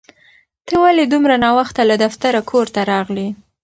ته ولې دومره ناوخته له دفتره کور ته راغلې؟